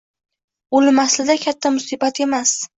O‘lim, aslida, katta musibat emas.